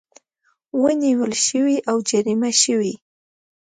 ونیول شوې او جریمه شوې